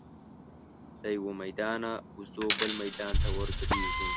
له یوه میدانه وزو بل میدان ته ور ګډیږو